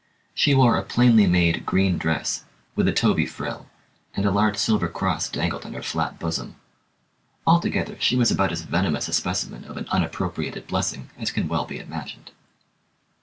She wore a plainly made green dress, with a toby frill; and a large silver cross dangled on her flat bosom. Altogether, she was about as venomous a specimen of an unappropriated blessing as can well be imagined.